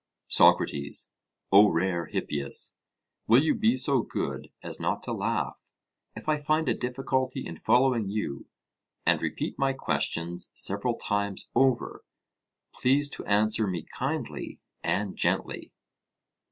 SOCRATES: O rare Hippias, will you be so good as not to laugh, if I find a difficulty in following you, and repeat my questions several times over? Please to answer me kindly and gently.